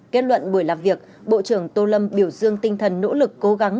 kết luận buổi làm việc bộ trưởng tô lâm biểu dương tinh thần nỗ lực cố gắng